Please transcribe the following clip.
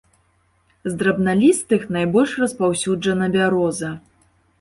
З драбналістых найбольш распаўсюджана бяроза.